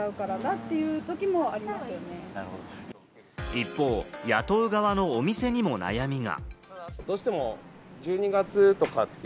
一方、雇う側のお店にも悩みが。